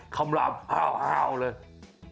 คำราบหาวเลย